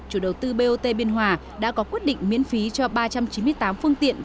chủ đầu tư bot biên hòa đã có quyết định miễn phí cho ba trăm chín mươi tám phương tiện